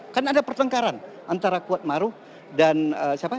kan ada pertengkaran antara kuatmaru dan siapa